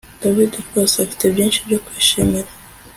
David rwose afite byinshi byo kwishimira